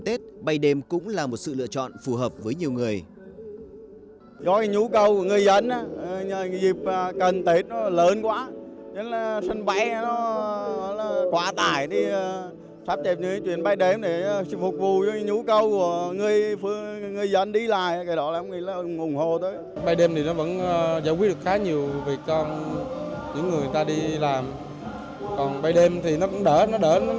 còn bây đêm thì nó cũng đỡ dồn hơn nó giải tán phần chuyến bay hơn